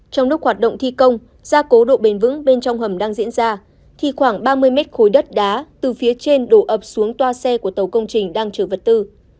trong lúc hoạt động thi công gia cố độ bền vững bên trong hầm đang diễn ra thì khoảng ba mươi mét khối đất đá từ phía trên đổ ập xuống toa xe của tàu công trình đang chở vật tư